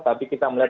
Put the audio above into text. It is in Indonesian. tapi kita melihat